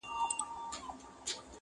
• د عکسونو اخیستل او د غزل راتلل وه: -